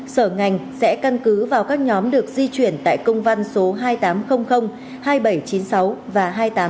sở ngành sẽ căn cứ vào các nhóm được di chuyển tại công văn số hai nghìn tám trăm linh hai nghìn bảy trăm chín mươi sáu và hai nghìn tám trăm tám